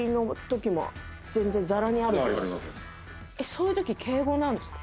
そういうとき敬語ですか？